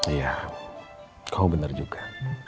iya kau benar juga